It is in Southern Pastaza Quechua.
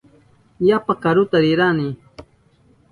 Yapa karuta rinkanchi.